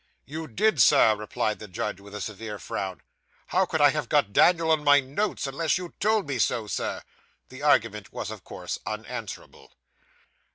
'You did, Sir,' replied the judge, with a severe frown. 'How could I have got Daniel on my notes, unless you told me so, Sir?' This argument was, of course, unanswerable.